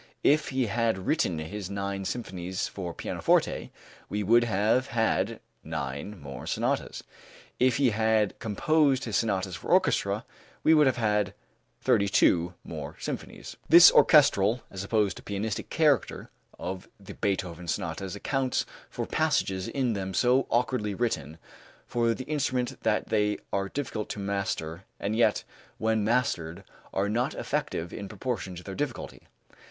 If he had written his nine symphonies for pianoforte, we would have had nine more sonatas. If he had composed his sonatas for orchestra, we would have had thirty two more symphonies. This orchestral (as opposed to pianistic) character of the Beethoven sonatas accounts for passages in them so awkwardly written for the instrument that they are difficult to master, and yet, when mastered, are not effective in proportion to their difficulty.